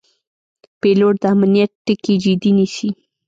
پیلوټ د امنیت ټکي جدي نیسي.